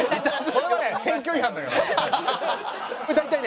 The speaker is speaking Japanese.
それはね選挙違反だから。